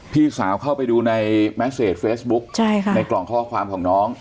พี่สาวเข้าไปดูในแมสเซจเฟซบุ๊กในกล่องข้อความของน้อง